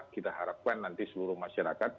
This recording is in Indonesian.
kita harapkan nanti seluruh masyarakat